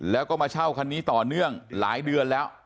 แล้วก็มาเช่าคันนี้ต่อเนื่องหลายเดือนแล้ว